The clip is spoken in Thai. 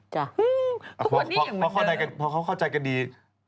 ทุกคนนี่อย่างเหมือนเดิมพอเข้าใจกันดี